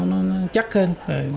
nó chắc hơn